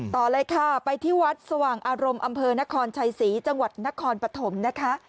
ต่อเลยค่ะไปที่วัดสว่างอารมณ์อำเภอนครชัยศรีจังหวัดนครปฐมนะคะ